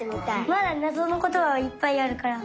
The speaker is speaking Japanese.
まだなぞのことがいっぱいあるから。